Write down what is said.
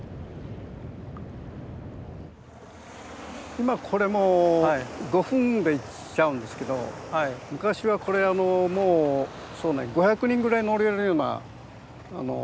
今これもう５分で行っちゃうんですけど昔はこれあのもうそうね５００人ぐらい乗れるようなあの。